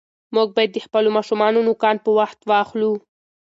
موږ باید د خپلو ماشومانو نوکان په وخت واخلو.